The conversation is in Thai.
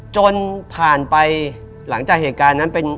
จนผ่านไปหลังจากเหตุการณ์นั้นเป็น